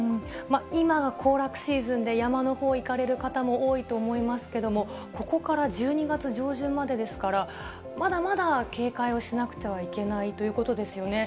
今が行楽シーズンで、山のほう行かれる方も多いと思いますけども、ここから１２月上旬までですから、まだまだ警戒をしなくてはいけないということですよね。